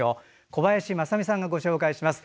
小林まさみさんがご紹介します。